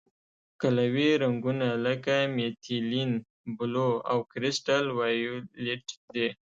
قلوي رنګونه لکه میتیلین بلو او کرسټل وایولېټ دي.